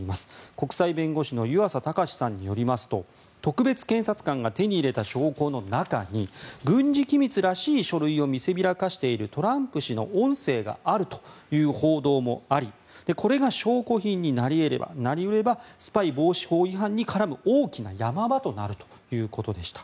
国際弁護士の湯浅卓さんによりますと特別検察官が手に入れた証拠の中に軍事機密らしい書類を見せびらかしているトランプ氏の音声があるという報道もありこれが証拠品になり得ればスパイ防止法違反に絡む大きな山場となるということでした。